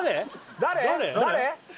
誰？